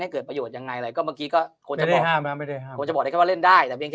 ให้เกิดประโยชน์ยังไงเลยก็เมื่อกี้ก็ไม่ได้ห้ามแล้วไม่ได้